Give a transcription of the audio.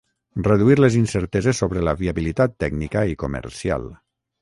Reduir les incerteses sobre la viabilitat tècnica i comercial.